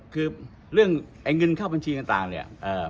คือเรื่องไอ้เงินเข้าบัญชีต่างเนี่ย